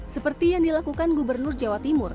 seperti yang dilakukan gubernur jawa timur